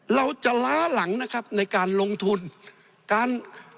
เราจะล้าหลังนะครับในการลงทุนการ